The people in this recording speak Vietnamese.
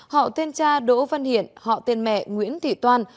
họ tên cha đỗ văn hiển họ tên mẹ nguyễn thị toan